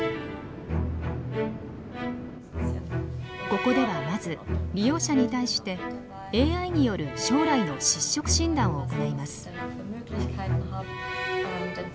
ここではまず利用者に対してＡＩによる将来の失職診断を行います。